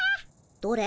どれ？